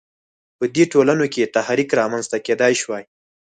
په دې ټولنو کې تحرک رامنځته کېدای شوای.